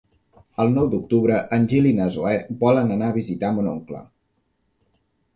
El nou d'octubre en Gil i na Zoè volen anar a visitar mon oncle.